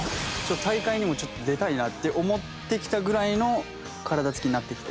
大会にもちょっと出たいなって思ってきたぐらいの体つきになってきて。